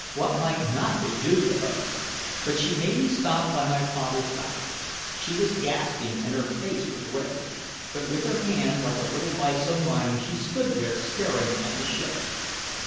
What might not they do to her? But she made me stop by my father's dock. She was gasping and her face was red, but with her hand like a little vise on mine she stood there staring at the ship.